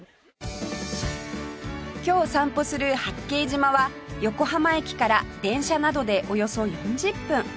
今日散歩する八景島は横浜駅から電車などでおよそ４０分